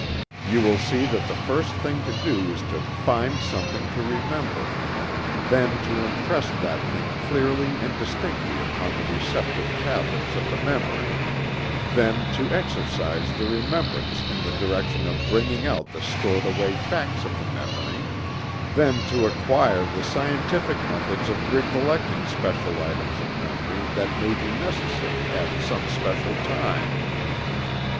You will see that the first thing to do is to find something to remember; then to impress that thing clearly and distinctly upon the receptive tablets of the memory; then to exercise the remembrance in the direction of bringing out the stored away facts of the memory; then to acquire the scientific methods of recollecting special items of memory that may be necessary at some special time.